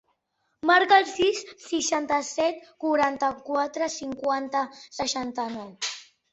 Marca el sis, seixanta-set, quaranta-quatre, cinquanta, seixanta-nou.